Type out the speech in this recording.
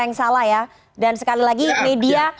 yang salah ya dan sekali lagi media